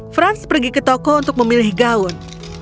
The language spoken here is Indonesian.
franz pergi ke toko untuk memilih gaun